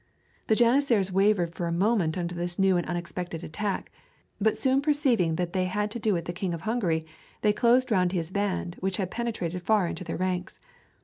The janissaries wavered for a moment under this new and unexpected attack, but soon perceiving that they had to do with the King of Hungary they closed round his band which had penetrated far into their ranks.